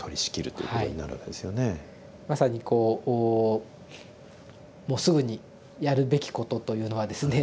まさにこうもうすぐにやるべきことというのはですね